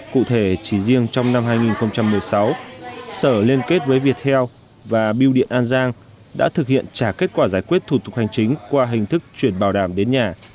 cụ thể chỉ riêng trong năm hai nghìn một mươi sáu sở liên kết với viettel và biêu điện an giang đã thực hiện trả kết quả giải quyết thủ tục hành chính qua hình thức chuyển bảo đảm đến nhà